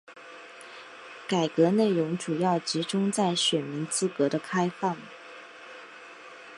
改革内容主要集中在选民资格的开放。